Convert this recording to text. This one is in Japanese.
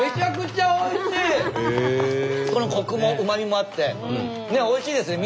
このコクもうまみもあっておいしいですね